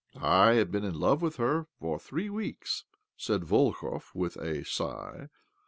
" I have been in love with her for three weeks," said Volkov, with a sigh.